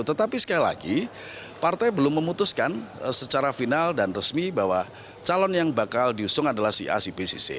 tetapi sekali lagi partai belum memutuskan secara final dan resmi bahwa calon yang bakal diusung adalah si a si b si c